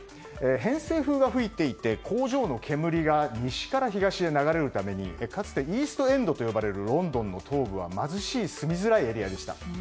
偏西風が吹いていて工場の煙が西から東へ流れるために、かつてイーストエンドと呼ばれるロンドンの東部は貧しい住みづらいエリアでした。